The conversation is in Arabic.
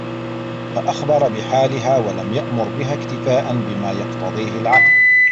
فَأَخْبَرَ بِحَالِهَا وَلَمْ يَأْمُرْ بِهَا اكْتِفَاءً بِمَا يَقْتَضِيهِ الْعَقْلُ